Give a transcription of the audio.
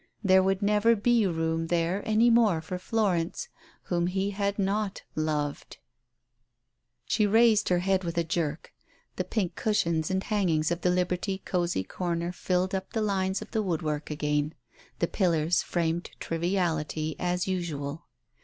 There would never be room there any more for Florence, whom he had not loved !...••••••• She raised her head with a jerk. The pink cushions and hangings of the Liberty cosy corner filled up the lines of the woodwork again. The pillars framed triviality as usual.